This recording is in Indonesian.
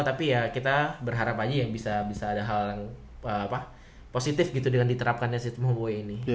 tapi ya kita berharap aja bisa ada hal yang positif gitu dengan diterapkan si semua gue ini